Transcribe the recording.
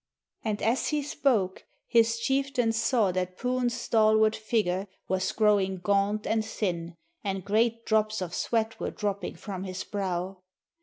And as he spoke his chieftains saw that Poon's stalwart figure was growing gaunt and thin, and great drops of sweat were dropping from his brow.